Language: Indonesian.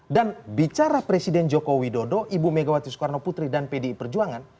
dan bicara presiden jokowi dodo ibu megawati soekarno putri dan pdi perjuangan